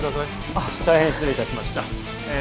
あっ大変失礼いたしましたええ